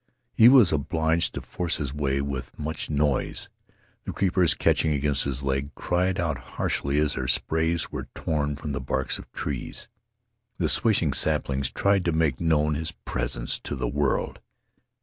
He was obliged to force his way with much noise. The creepers, catching against his legs, cried out harshly as their sprays were torn from the barks of trees. The swishing saplings tried to make known his presence to the world.